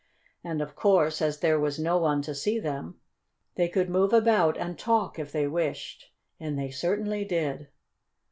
And, of course, as there was no one to see them, they could move about and talk, if they wished. And they certainly did.